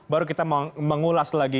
baru kita mengulas lagi